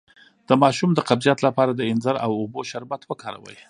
د ماشوم د قبضیت لپاره د انځر او اوبو شربت وکاروئ